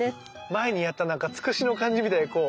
前にやったなんかツクシの感じみたいにこう。